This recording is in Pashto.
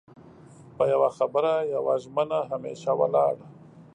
په يو خبره يوه ژمنه همېشه ولاړ